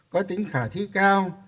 có tính khả thi cao